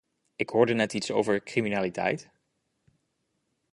Ik hoorde net iets over criminaliteit.